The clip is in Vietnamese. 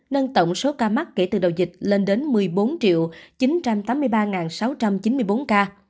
nâng tổng số ca mắc kể từ đầu dịch lên đến một mươi bốn chín trăm tám mươi ba sáu trăm chín mươi bốn ca